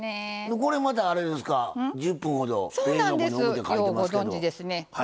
これまたあれですか「１０分ほど冷蔵庫におく」って書いてますけど。